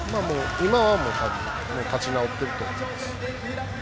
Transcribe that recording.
今は立ち直っていると思います。